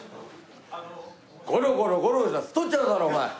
ゴロゴロゴロゴロしてたら太っちゃうだろお前。